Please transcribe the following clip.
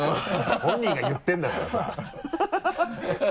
本人が言ってるんだからさハハハ